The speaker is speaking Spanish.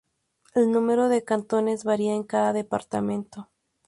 El número de cantones varía en cada departamento.